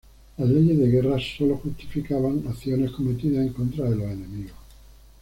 Las Leyes de Guerra sólo justificaban acciones cometidas en contra de los enemigos.